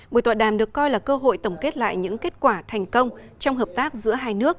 buổi tọa đàm được coi là cơ hội tổng kết lại những kết quả thành công trong hợp tác giữa hai nước